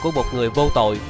của một người vô tội